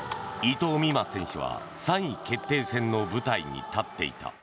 藤美誠選手は３位決定戦の舞台に立っていた。